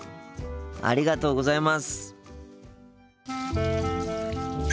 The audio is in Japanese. ありがとうございます。